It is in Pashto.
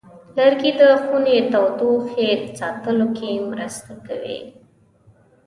لرګی د خونې تودوخې ساتلو کې مرسته کوي.